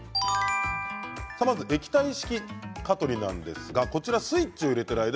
まず液体式蚊取りですがスイッチを入れている間